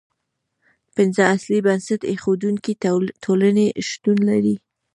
پنځه اصلي بنسټ ایښودونکې ټولنې شتون لري.